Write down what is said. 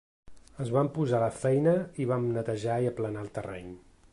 Ens vam posar a la feina i vam netejar i aplanar el terreny.